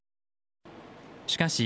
しかし、